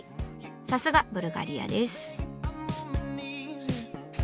さすがブルガリアです。